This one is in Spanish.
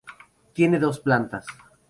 Tiene dos plantas.